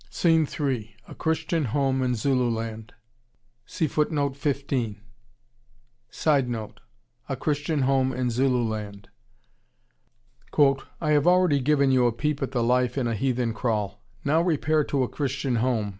Scene three: A Christian Home in Zululand. [Sidenote: A Christian home in Zululand.] "I have already given you a peep at the life in a heathen kraal. Now repair to a Christian home.